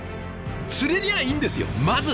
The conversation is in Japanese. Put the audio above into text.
釣れりゃあいいんですよまずね！